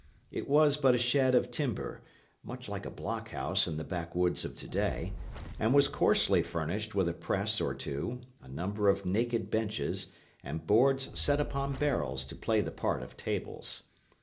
It was but a shed of timber, much like a blockhouse in the backwoods of to day, and was coarsely furnished with a press or two, a number of naked benches, and boards set upon barrels to play the part of tables.